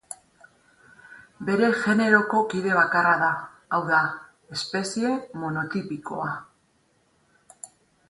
Bere generoko kide bakarra da, hau da, espezie monotipikoa.